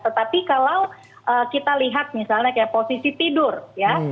tetapi kalau kita lihat misalnya kayak posisi tidur ya